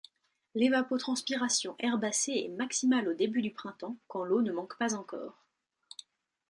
L'évapotranspiration herbacée est maximale au début du printemps quand l'eau ne manque pas encore.